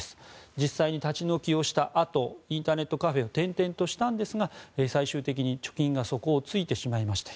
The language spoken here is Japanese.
実際に立ち退きをしたあとインターネットカフェを転々としたんですが最終的に貯金が底をついてしまいました。